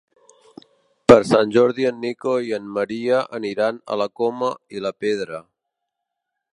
Per Sant Jordi en Nico i en Maria aniran a la Coma i la Pedra.